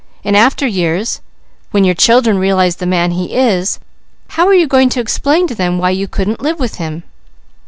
In after years when your children realize the man he is, how are you going to explain to them why you couldn't live with him?"